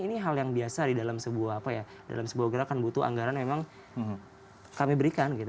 ini hal yang biasa di dalam sebuah apa ya dalam sebuah gerakan butuh anggaran memang kami berikan gitu